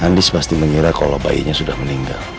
andis pasti mengira kalau bayinya sudah meninggal